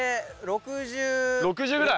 ６０ぐらい？